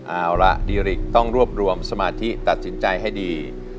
เอาละดีริกต้องรวบรวมสมาธิตัดสินใจให้ดี